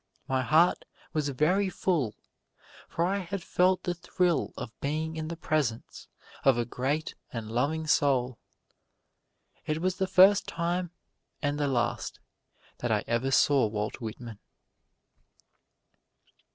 My heart was very full, for I had felt the thrill of being in the presence of a great and loving soul. It was the first time and the last that I ever saw Walt Whitman.